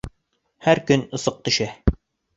Һәр көн ысыҡ төшә